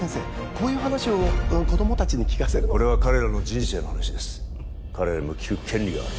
こういう話を子供達に聞かせるのはこれは彼らの人生の話です彼らにも聞く権利がある